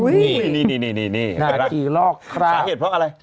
อุ๊ยนาคีลอกคราบสาเหตุเพราะอะไร